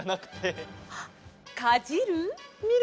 あっかじる？